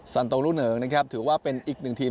ซานตรงหลู่หนึ่งถือว่าเป็นอีกหนึ่งทีม